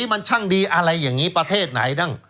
มันช่างดีอะไรอย่างนี้ประเทศไหนบ้าง